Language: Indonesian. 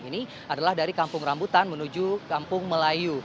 ini adalah dari kampung rambutan menuju kampung melayu